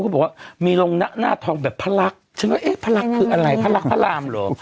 บอกว่ามีลงหน้าทองแบบพระลักษณ์ฉันก็เอ๊ะพระลักษณ์คืออะไรพระรักพระรามเหรอ